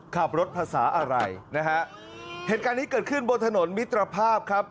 ขับรถภาษาอะไรนะฮะเหตุการณ์นี้เกิดขึ้นบนถนนมิตรภาพครับ